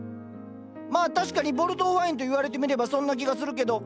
まあ確かにボルドーワインと言われてみればそんな気がするけど。